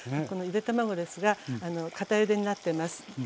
このゆで卵ですがかたゆでになってます。